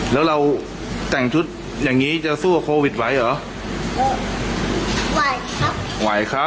แล้วเราก็อยากได้ก็ดูในคลิปก็เลยร้องให้ทำให้